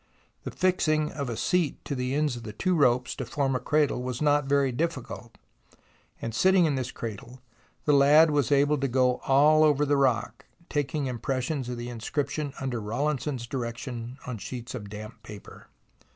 The fixing of a seat to the ends of the two ropes to form a cradle was not very difficult, and sitting in this cradle the lad was able to go all over the rock, taking impressions of the inscription under Rawlinson's direction on sheets of damp paper.